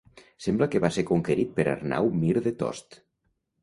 Sembla que va ser conquerit per Arnau Mir de Tost.